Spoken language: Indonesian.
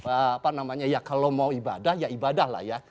apa namanya ya kalau mau ibadah ya ibadah lah ya